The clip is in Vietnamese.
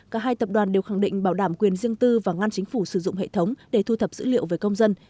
cả hai tập đoàn đều khẳng định bảo đảm quyền riêng tư và ngăn chính phủ sử dụng hệ thống để thu thập dữ liệu về công dân